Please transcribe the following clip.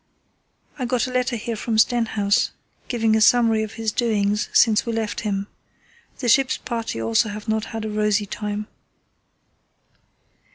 I got a letter here from Stenhouse giving a summary of his doings since we left him. The ship's party also have not had a rosy time."